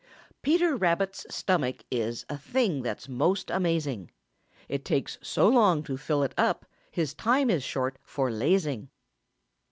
Peter Rabbit's stomach is A thing that's most amazing; It takes so long to fill it up His time is short for lazing.